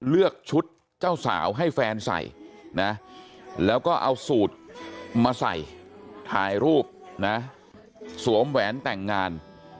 เลือกชุดเจ้าสาวให้แฟนใส่นะแล้วก็เอาสูตรมาใส่ถ่ายรูปนะสวมแหวนแต่งงาน